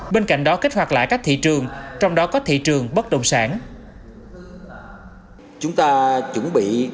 bên cạnh đó kích hoạt lại các thị trường trong đó có thị trường bất động sản